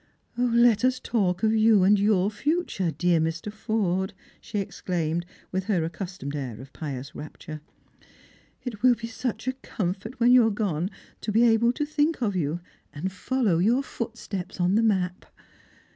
" O, let us talk of you and your future, dear Mr. Forde," she exclaimed, with her accustomed air of pious rapture. " It will be such a comfort when you are gone to be able to think of yon, and follow your footsteps on the map."